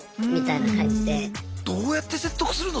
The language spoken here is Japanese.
どうやって説得するの？